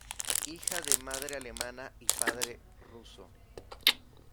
Hija de madre alemana y padre ruso.